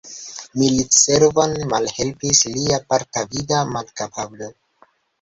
Militservon malhelpis lia parta vida malkapablo.